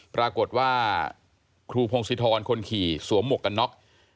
ปรากฏว่าครูพงศิธรคนขี่สวมหมวกกันน็อก